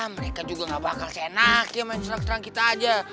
mereka juga gak bakal senang ya main serang serang kita aja